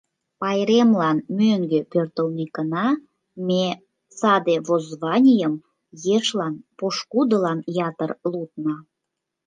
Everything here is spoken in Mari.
Пайремлан мӧҥгӧ пӧртылмекына, ме саде воззванийым ешлан, пошкудылан ятыр лудна.